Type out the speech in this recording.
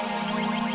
berk symbolic di sini